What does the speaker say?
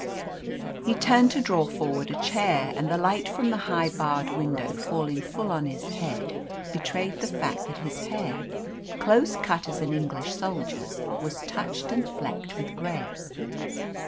He turned to draw forward a chair, and the light from the high, barred window falling full on his head, betrayed the fact that his hair, close cut as an English soldier's, was touched and flecked with grey.